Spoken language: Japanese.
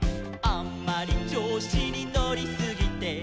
「あんまりちょうしにのりすぎて」